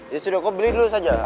ya sudah kau beli dulu saja